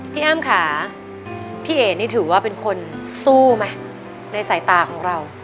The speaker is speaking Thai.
อ้ำค่ะพี่เอ๋นี่ถือว่าเป็นคนสู้ไหมในสายตาของเรา